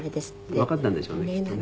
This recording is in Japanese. わかったんでしょうねきっとね。